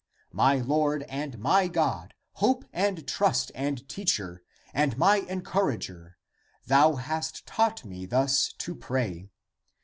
^ My Lord and my God,^ hope and trust and teacher <and my encourager,> thou hast taught me thus to pray.